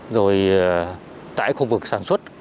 rồi tại khu vực sản xuất